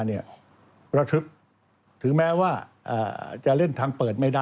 ระทึกถึงแม้ว่าจะเล่นทางเปิดไม่ได้